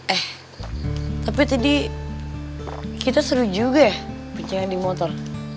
eh tapi tadi kita seru juga bicara di motor